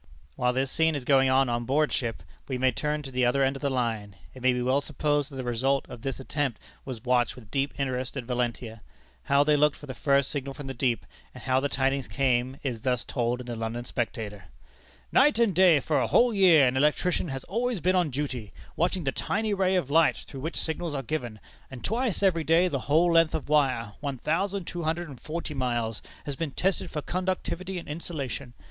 While this scene is going on on board ship, we may turn to the other end of the line. It may be well supposed that the result of this attempt was watched with deep interest at Valentia. How they looked for the first signal from the deep, and how the tidings came, is thus told in the London Spectator: "Night and day, for a whole year, an electrician has always been on duty, watching the tiny ray of light through which signals are given, and twice every day the whole length of wire one thousand two hundred and forty miles has been tested for conductivity and insulation....